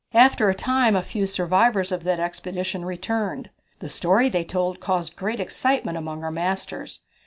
After a time a few survivors of that expedition returned. The story they told caused great excitement among our masters.